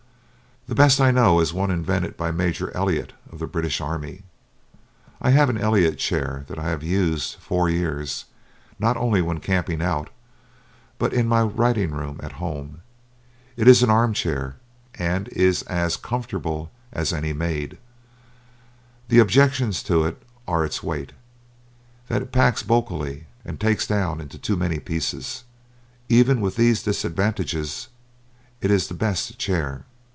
The best I know is one invented by Major Elliott of the British army. I have an Elliott chair that I have used four years, not only when camping out, but in my writing room at home. It is an arm chair, and is as comfortable as any made. The objections to it are its weight, that it packs bulkily, and takes down into too many pieces. Even with these disadvantages it is the best chair.